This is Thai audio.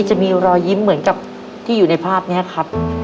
จะมีรอยยิ้มเหมือนกับที่อยู่ในภาพนี้ครับ